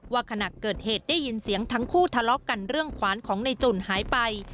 ขณะเกิดเหตุได้ยินเสียงทั้งคู่ทะเลาะกันเรื่องขวานของในจุ่นหายไป